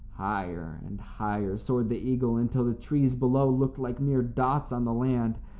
Higher and higher soared the eagle until the trees below looked like mere dots on the land.